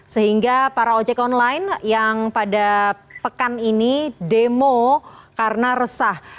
sehingga para ojek online yang pada pekan ini demo karena resah